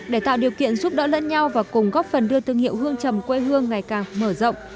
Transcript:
để tạo điều kiện giúp đỡ lẫn nhau và cùng góp phần đưa thương hiệu hương trầm quê hương ngày càng mở rộng